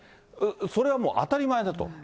それはもう当たり前だと。